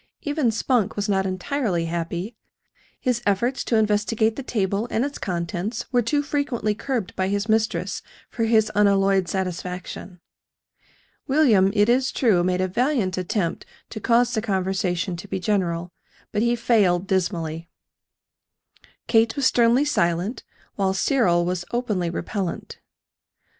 Even Spunk was not entirely happy his efforts to investigate the table and its contents were too frequently curbed by his mistress for his unalloyed satisfaction. William, it is true, made a valiant attempt to cause the conversation to be general; but he failed dismally. Kate was sternly silent, while Cyril was openly repellent.